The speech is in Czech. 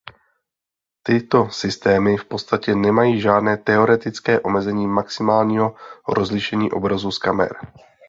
Ty to systémy v podstatě nemají žádné teoretické omezení maximálního rozlišení obrazu z kamer.